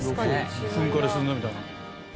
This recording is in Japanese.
噴火で沈んだみたいな。